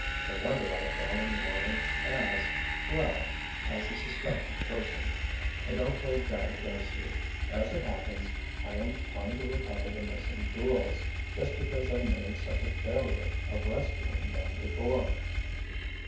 No wonder I fall in line as—well, as a suspected person. I don't hold that against you. As it happens, I am trying to recover the missing jewels, just because I made such a failure of rescuing them before."